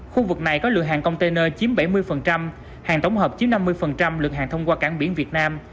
khu vực này có lượng hàng container chiếm bảy mươi hàng tổng hợp chiếm năm mươi lượng hàng thông qua cảng biển việt nam